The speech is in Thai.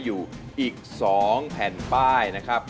อยู่อีก๒แผ่นป้ายนะครับ